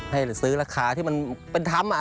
ให้ซื้อราคาที่มันเป็นธรรม